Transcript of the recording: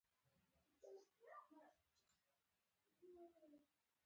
غوا د انساني اړتیاوو لپاره کارېږي.